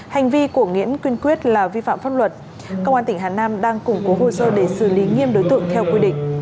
hành vi của nguyễn quyên quyết là vi phạm pháp luật công an tỉnh hà nam đang củng cố hồ sơ để xử lý nghiêm đối tượng theo quy định